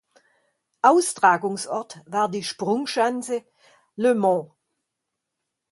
Austragungsort war die Sprungschanze Le Mont.